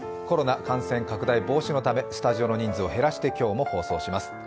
コロナ感染拡大防止のためスタジオの人数を減らして今日も放送します。